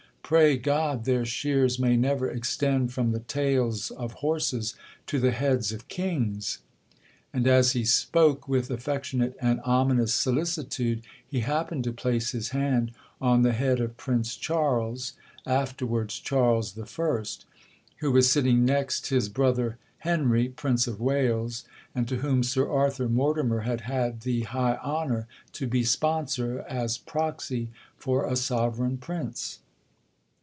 Pray God their shears may never extend from the tails of horses to the heads of kings!' And as he spoke with affectionate and ominous solicitude, he happened to place his hand on the head of Prince Charles, (afterwards Charles I.), who was sitting next his brother Henry, Prince of Wales, and to whom Sir Arthur Mortimer had had the high honour to be sponsor, as proxy for a sovereign prince.